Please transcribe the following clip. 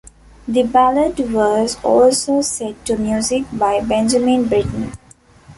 The ballad was also set to music by Benjamin Britten.